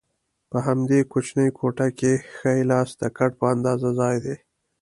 په همدې کوچنۍ کوټه کې ښي لاسته د کټ په اندازه ځای دی.